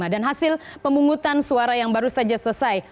dan hasil pemungutan suara yang baru saja selesai